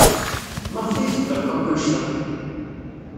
Maɣef ay tetqelliq akk anect-a?